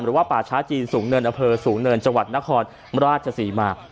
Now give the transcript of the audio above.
หรือว่าป่าช้าจีนสูงเนินอเภอสูงเนินจนมราชศิมา